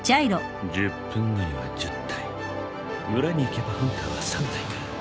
１０分後には１０体村に行けばハンターは３体か。